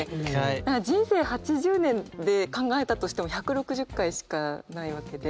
人生８０年で考えたとしても１６０回しかないわけで。